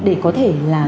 để có thể là